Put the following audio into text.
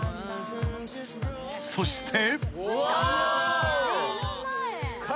［そして］